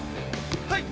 はい！